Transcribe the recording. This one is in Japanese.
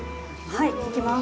はい、いきます。